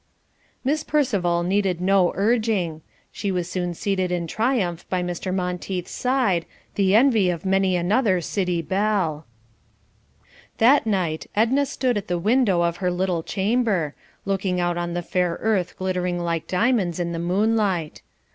Miss Percival needed no urging; she was soon seated in triumph by Mr. Monteith's side, the envy of many another city belle. That night Edna stood at the window of her little chamber, looking out on the fair earth glittering like diamonds in the moonlight.